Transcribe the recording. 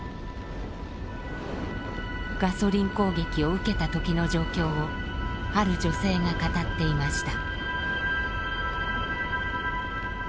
ガソリン攻撃を受けたときの状況をある女性が語っていました。